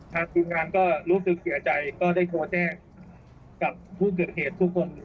ทีมงานก็รู้สึกเสียใจก็ได้โทรแจ้งกับผู้เกิดเหตุทุกคน